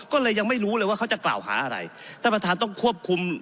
ก็เลยยังไม่รู้เลยว่าเขาจะกล่าวหาอะไรท่านประธานต้องควบคุม